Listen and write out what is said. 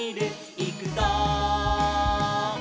「いくぞー！」